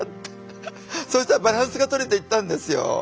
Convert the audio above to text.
そしたらバランスがとれていったんですよ。